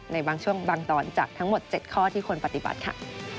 ในบางช่วงบางตอนจากทั้งหมด๗ข้อที่คนปฏิบัติค่ะ